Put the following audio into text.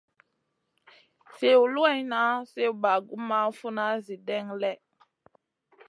Sliw luwanŋa, sliw bagumʼma, funa, Zi ɗènŋa lèh.